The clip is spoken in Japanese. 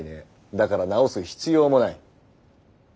だから「治す」必要もない。